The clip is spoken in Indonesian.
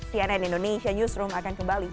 cnn indonesia newsroom akan kembali